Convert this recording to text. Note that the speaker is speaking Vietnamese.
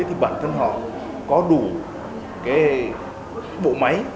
thì bản thân họ có đủ bộ máy